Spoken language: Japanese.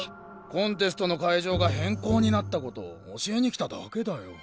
コンテストの会場が変更になったこと教えに来ただけだよ。